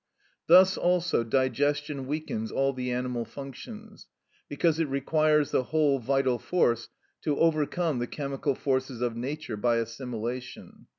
Thus also digestion weakens all the animal functions, because it requires the whole vital force to overcome the chemical forces of nature by assimilation.